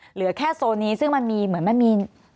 เหลือแค่โซนนี้ซึ่งมันมีเหมือนมันมี